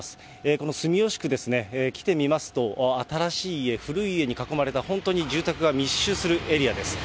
この住吉区ですね、来てみますと、新しい家、古い家に囲まれた、本当に住宅が密集するエリアです。